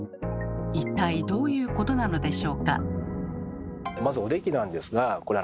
一体どういうことなのでしょうか？